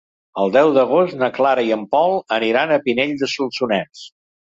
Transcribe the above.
El deu d'agost na Clara i en Pol aniran a Pinell de Solsonès.